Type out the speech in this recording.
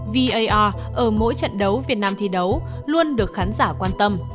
vaor ở mỗi trận đấu việt nam thi đấu luôn được khán giả quan tâm